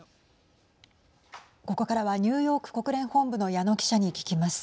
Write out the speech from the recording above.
ここからはニューヨーク国連本部の矢野記者に聞きます。